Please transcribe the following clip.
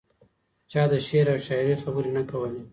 چا د شعر او شاعرۍ خبرې نه کولې.